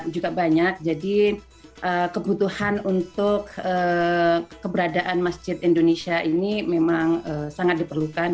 juga banyak jadi kebutuhan untuk keberadaan masjid indonesia ini memang sangat diperlukan